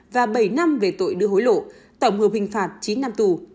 và bảy năm về tội đưa hối lộ tổng hợp hình phạt chín năm tù